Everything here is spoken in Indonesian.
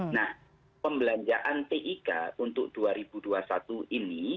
nah pembelanjaan tik untuk dua ribu dua puluh satu ini